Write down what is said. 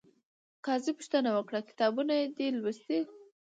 قاضي پوښتنه وکړه، کتابونه یې دې لوستي؟